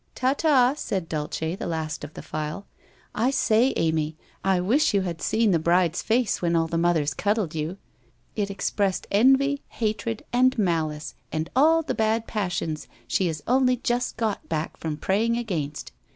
' Ta ta !' said Dulce, the last of the file. 1 1 say, Amy, I wish you had seen the bride's face when all the mothers cuddled you! It expressed envy, hatred and malice and all the bad passions she has only just got back from pray ing against.